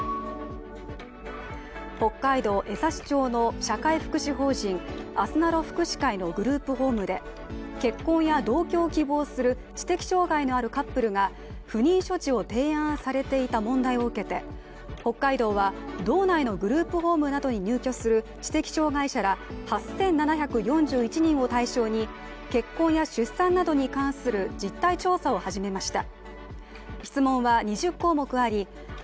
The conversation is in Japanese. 北海道江差町の社会福祉法人あすなろ福祉会のグループホームで結婚や同居を希望する知的障害のあるカップルが不妊処置を提案されていた問題を受けて北海道は道内のグループホームなどに入居する知的障害者ら８７４１人を対象に結婚や出産などに関する実態調査を始めました。